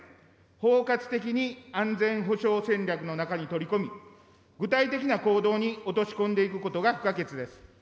包括的に安全保障戦略の中に取り込み、具体的な行動に落とし込んでいくことが不可欠です。